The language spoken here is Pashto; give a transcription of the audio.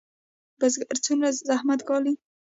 بزګران څومره زحمت ګالي؟